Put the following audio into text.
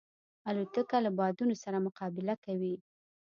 الوتکه له بادونو سره مقابله کوي.